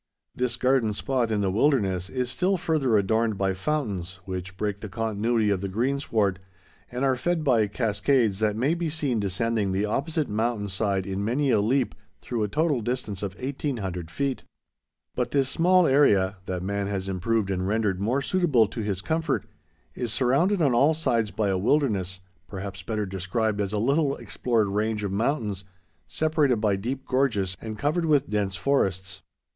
This garden spot in the wilderness is still further adorned by fountains, which break the continuity of the greensward, and are fed by cascades that may be seen descending the opposite mountain side in many a leap, through a total distance of 1800 feet. But this small area, that man has improved and rendered more suitable to his comfort, is surrounded on all sides by a wilderness, perhaps better described as a little explored range of mountains separated by deep gorges and covered with dense forests.